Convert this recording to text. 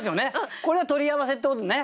これは取り合わせってことね。